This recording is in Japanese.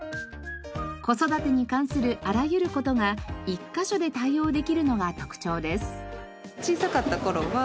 子育てに関するあらゆる事が１カ所で対応できるのが特徴です。